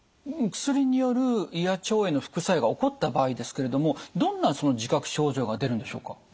薬による胃や腸への副作用が起こった場合ですけれどもどんなその自覚症状が出るんでしょうか？